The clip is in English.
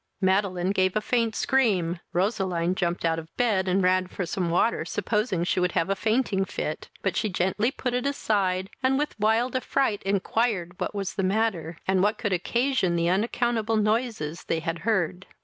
Madeline gave a faint scream; Roseline jumped out of bed, and ran for some water, supposing she would have a fainting fit; but she gently put it aside, and with wild affright inquired what was the matter, and what could occasion the unaccountable noises they had heard.